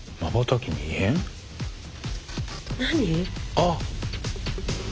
あっ！